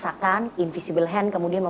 jadi kalau tidak ada yang ditutup tutupi